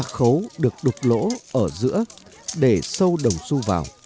ba khấu được đục lỗ ở giữa để sâu đồng su vào